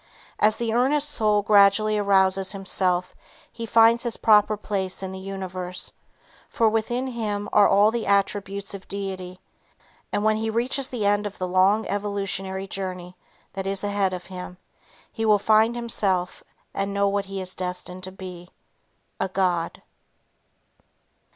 As the earnest soul gradually arouses himself he finds his proper place in the universe, for within him are all the attributes of deity, and when he reaches the end of the long evolutionary journey that is ahead of him he will find himself and know what he is destined to be, a God.